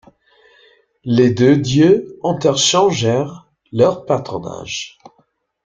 Les deux dieux interchangèrent leur patronage.